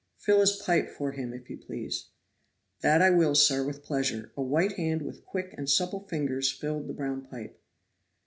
"Fill his pipe for him, if you please." "That I will, sir, with pleasure." A white hand with quick and supple fingers filled the brown pipe.